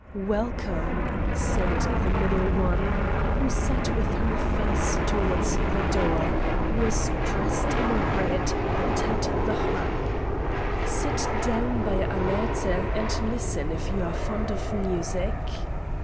"Welcome!" said the middle one, who sat with her face towards the door, was dressed in red, and had the harp. "Sit down by Alerte, and listen, if you are fond of music."